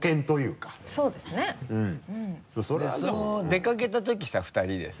出かけたときさ２人でさ。